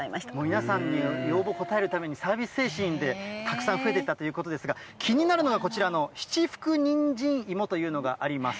皆さんの要望に応えるために、サービス精神で、たくさん増えていったということですが、気になるのが、こちらの七福人参イモというのがあります。